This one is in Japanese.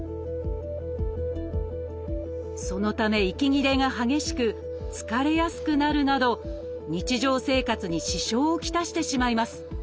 そのため息切れが激しく疲れやすくなるなど日常生活に支障を来してしまいます。